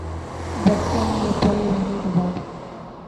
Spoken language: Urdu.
برتن میں پڑے رہنے کے بعد